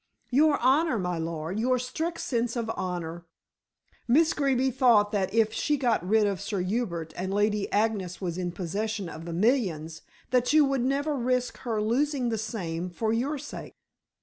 "Your honor, my lord, your strict sense of honor. Miss Greeby thought that if she got rid of Sir Hubert, and Lady Agnes was in possession of the millions, that you would never risk her losing the same for your sake."